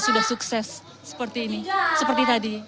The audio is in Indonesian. sudah sukses seperti ini seperti tadi